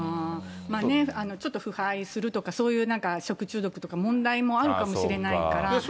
ちょっと腐敗するとか、そういう食中毒とか、問題もあるかもしれないから。